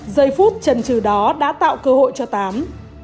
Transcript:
giây phút trần trừ đó đã tạo cơ hội cho tám